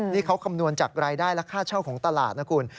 นี่เขาคำนวณจากรายได้และค่าเช่าของตลาดนะคุณ